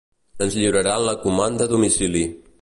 Ens lliuraran la comanda a domicili.